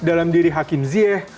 dalam diri hakim ziyeh